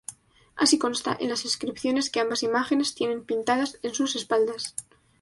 Así consta en las inscripciones que ambas imágenes tienen pintadas en sus espaldas.